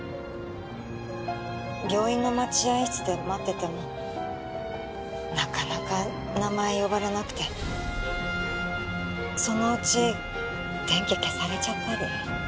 病院の待合室で待っててもなかなか名前呼ばれなくてそのうち電気消されちゃったり。